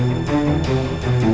rafa kan masih hidup